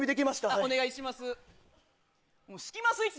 お願いします。